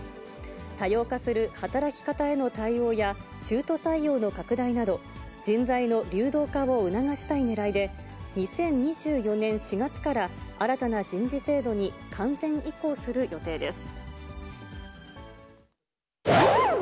多様化する働き方への対応や、中途採用の拡大など、人材の流動化を促したいねらいで、２０２４年４月から、新たな人事制度に完全移行する予定です。